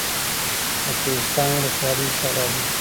د کوهستان ولسوالۍ سړه ده